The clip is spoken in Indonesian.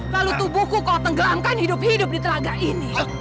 lalu tubuhku kau tenggelamkan hidup hidup di telaga ini